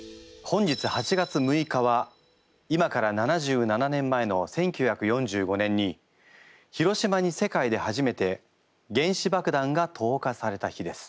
本日８月６日は今から７７年前の１９４５年に広島に世界で初めて原子爆弾が投下された日です。